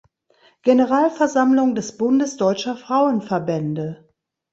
Generalversammlung des Bundes deutscher Frauenverbände.